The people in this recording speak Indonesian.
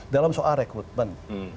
dalam soal rekrutmen